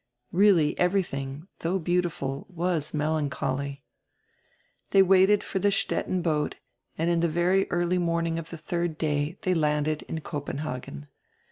Really everything, though heautiful, was mel ancholy. They waited for die Stettin hoat and in die very early morning of die diird day diey landed in Copenhagen.